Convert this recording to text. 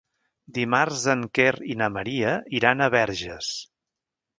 Dimarts en Quer i na Maria iran a Verges.